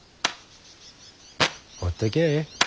ほっときゃあええ。